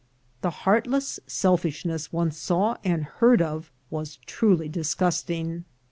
The heartless selfishness one saw and heard of was truly disgusting.